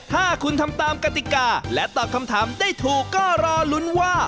ถ้าคุณทำตามกติกาและตอบคำถามได้ถูกก็รอลุ้นว่า